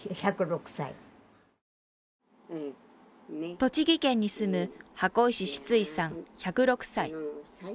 栃木県に住む箱石シツイさん１０６歳。